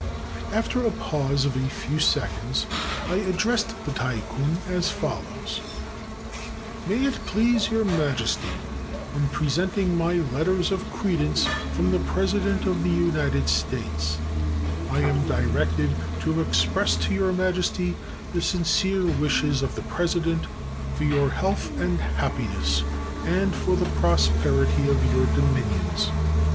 After a pause of a few seconds I addressed the Tai kun as follows :— "May it please your Majesty: In presenting my let ters of credence from the President of the United States, I am directed to express to your Majesty the sincere wishes of the President for your health and happiness and for the prosperity of your dominions.